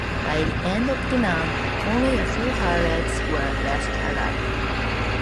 By the end of the month, only a few of pirates were left alive.